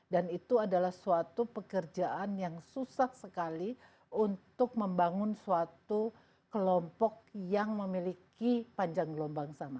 dan itu adalah suatu pekerjaan yang susah sekali untuk membangun suatu kelompok yang memiliki panjang gelombang sama